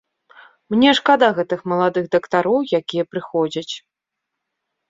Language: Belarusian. Мне шкада гэтых маладых дактароў, якія прыходзяць.